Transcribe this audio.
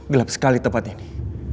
gelap sekali tempat ini